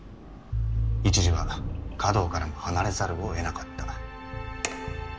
一時は華道からも離れざるをえなかった。